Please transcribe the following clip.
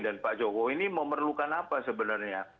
dan pak jokowi ini memerlukan apa sebenarnya